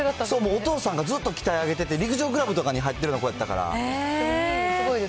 お父さんがずっと鍛え上げてて、陸上クラブとかに入ってるような子やったから。